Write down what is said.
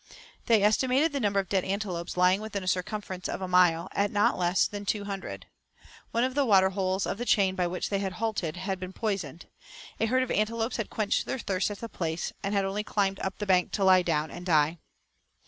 They estimated the number of dead antelopes lying within a circumference of a mile, at not less than two hundred. One of the water holes of the chain by which they had halted, had been poisoned. A herd of antelopes had quenched their thirst at the place, and had only climbed up the bank to lie down and die.